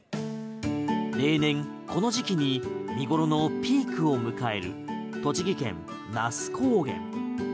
例年この時期に見頃のピークを迎える栃木県・那須高原。